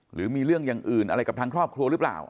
หรือมีเรื่องอย่างอื่นอะไรกับทางครอบครัวหรือเปล่า